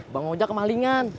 bang hoja kemalingan